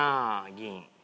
銀。